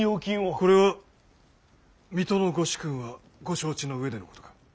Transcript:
これは水戸のご主君はご承知の上でのことか。